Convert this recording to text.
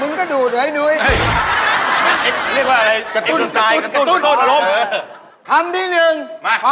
มึงก็ดูดไว้นุ๊ยเอ๊ะ